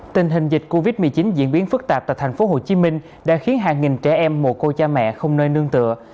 tình hình dịch covid một mươi chín diễn biến phức tạp tại thành phố hồ chí minh đã khiến hàng nghìn trẻ em mồ côi cha mẹ không nơi nương tựa